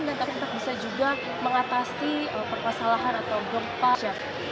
dan tetap bisa juga mengatasi perpasalahan atau berpasang